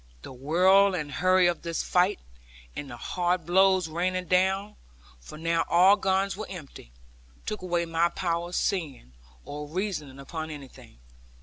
The whirl and hurry of this fight, and the hard blows raining down for now all guns were empty took away my power of seeing, or reasoning upon anything.